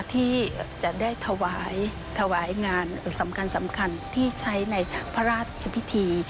ที่จะได้ถวายงานสำคัญที่ใช้ในพระราชพิธี